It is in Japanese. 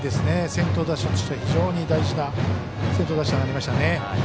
先頭打者として非常に大事な先頭打者になりましたね。